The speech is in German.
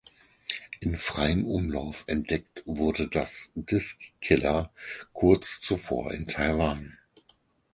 In freiem Umlauf entdeckt wurde das Disk Killer kurz zuvor in Taiwan.